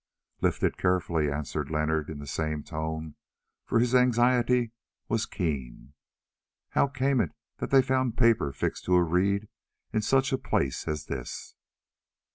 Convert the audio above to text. "Lift it carefully," answered Leonard in the same tone, for his anxiety was keen. How came it that they found paper fixed to a reed in such a place as this?